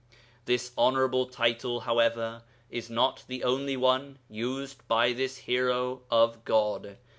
This honourable title, however, is not the only one used by this Hero of God.